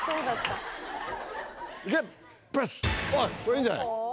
いいんじゃない？